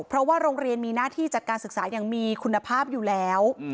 เพราะว่าโรงเรียนมีหน้าที่จัดการศึกษาอย่างมีคุณภาพอยู่แล้ว